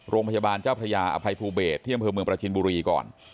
โรงพยาบาลเจ้าพระยาอภัยภูเบศที่อำเภอเมืองประจินบุรีก่อน